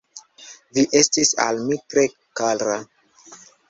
Vi estis al mi tre kara.